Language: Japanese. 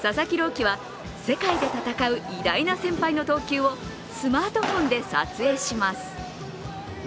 希は世界で戦う偉大な先輩の投球をスマートフォンで撮影します。